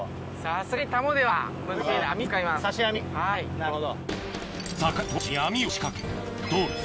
なるほど。